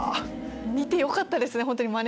見てよかったですね。